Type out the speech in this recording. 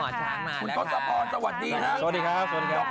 คุณโค้ดทรัพย์สวัสดีครับ